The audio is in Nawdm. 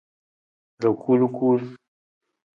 Rakulkul.